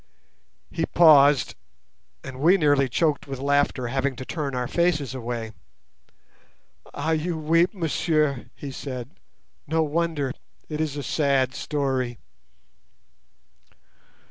He paused, and we nearly choked with laughter, having to turn our faces away. "Ah! you weep, messieurs," he said. "No wonder—it is a sad story."